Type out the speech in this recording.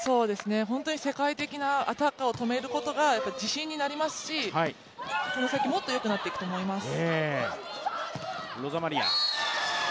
本当に世界的なアタッカーを止めることが自信になりますし、この先もっとよくなっていくと思います。